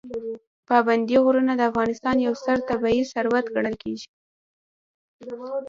پابندي غرونه د افغانستان یو ستر طبعي ثروت ګڼل کېږي.